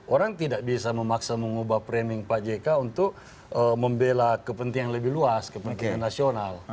orang tidak bisa memaksa mengubah framing pak jk untuk membela kepentingan lebih luas kepentingan nasional